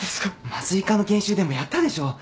麻酔科の研修でもやったでしょ。